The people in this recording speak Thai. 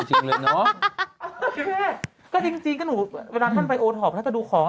ตอนนั้นท่านยุ่ง